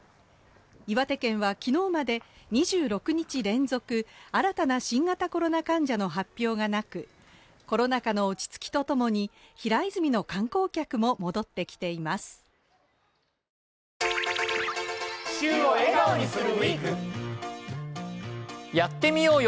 岩手県は昨日まで２６日連続新たな新型コロナ患者の発表がなくコロナ禍の落ち着きとともに平泉の観光客も戻ってきていますやってみようよ